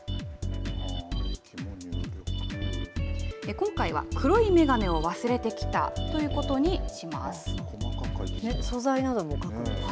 今回は、黒い眼鏡を忘れてきたということにします。